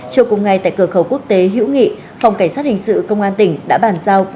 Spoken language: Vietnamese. chiều cùng ngày tại cửa khẩu quốc tế hữu nghị phòng cảnh sát hình sự công an tỉnh đã bàn giao